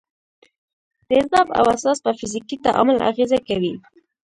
تیزاب او اساس په فزیکي تعامل اغېزه کوي.